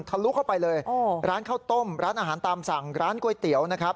ลุเข้าไปเลยร้านข้าวต้มร้านอาหารตามสั่งร้านก๋วยเตี๋ยวนะครับ